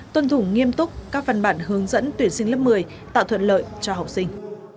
tuân thủ nghiêm túc các văn bản hướng dẫn tuyển sinh lớp một mươi tạo thuận lợi cho học sinh